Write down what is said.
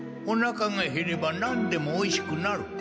おなかがへれば何でもおいしくなる。